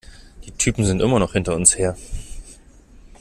Die Typen sind immer noch hinter uns her!